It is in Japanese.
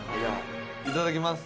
いただきます。